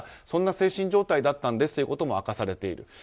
そんな精神状態だったんですということも明かされている。